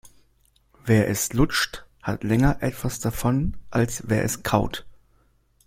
Wer es lutscht, hat länger etwas davon, als wer es kaut.